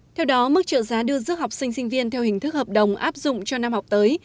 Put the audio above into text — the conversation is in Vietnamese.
theo đó mức trợ giá đưa dứt học sinh sinh viên theo hình thức hợp đồng áp dụng cho năm học tới